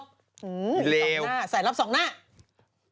หือส่องหน้าสายลับส่องหน้าเลว